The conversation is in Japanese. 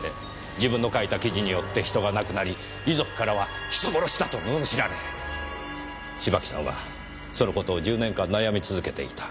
自分の書いた記事によって人が亡くなり遺族からは人殺しだと罵られ芝木さんはその事を１０年間悩み続けていた。